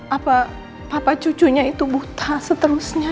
apa papa cucunya itu buta seterusnya